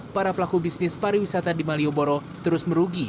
para pelaku bisnis pariwisata di malioboro terus merugi